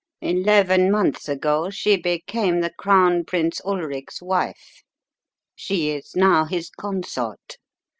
Eleven months ago she became the Crown Prince Ulric's wife. She is now his consort.